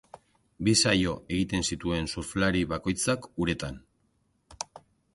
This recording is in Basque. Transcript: Bi saio egin zituen surflari bakoitzak uretan.